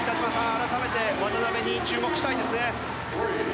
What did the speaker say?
改めて渡辺に注目したいですね。